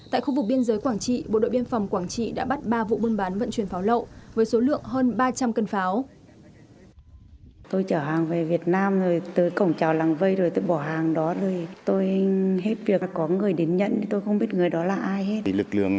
tại khu vực biên giới quảng trị bộ đội biên phòng quảng trị đã bắt ba vụ buôn bán vận chuyển pháo lậu